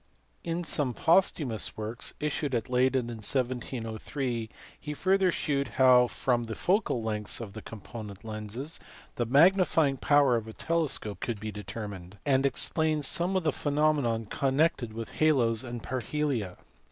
In some posthumous works, issued at Leyden in 1703, he further shewed how from the focal lengths of the component lenses the magnifying power of a telescope could be determined ; and explained some of the phenomena connected with halos and parhelia.